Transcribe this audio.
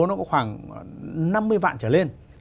nó có khoảng năm mươi vạn trở lên